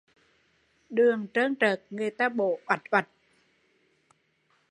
Đường trơn trượt, người ta bổ oạch oạch